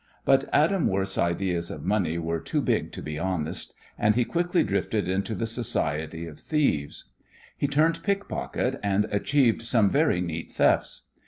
But Adam Worth's ideas of money were too big to be honest, and he quickly drifted into the society of thieves. He turned pickpocket, and achieved some very neat thefts.